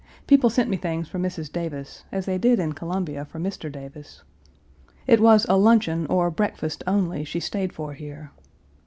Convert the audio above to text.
People sent me things for Mrs. Davis, as they did in Columbia for Mr. Davis. It was a luncheon or breakfast only she stayed for here.